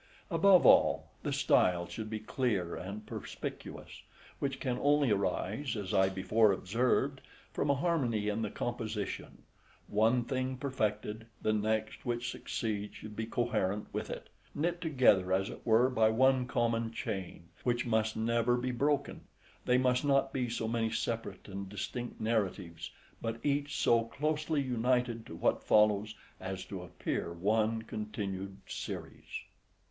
Above all, the style should be clear and perspicuous, which can only arise, as I before observed, from a harmony in the composition: one thing perfected, the next which succeeds should be coherent with it; knit together, as it were, by one common chain, which must never be broken: they must not be so many separate and distinct narratives, but each so closely united to what follows, as to appear one continued series.